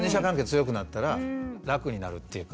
強くなったら楽になるっていうか。